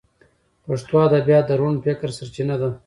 پښتو ادبیات د روڼ فکر سرچینه ده.